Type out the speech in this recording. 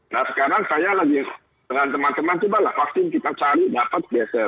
nah sekarang saya lagi dengan teman teman cobalah vaksin kita cari dapat beser